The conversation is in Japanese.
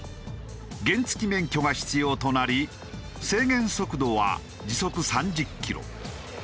原付免許が必要となり制限速度は時速３０キロ。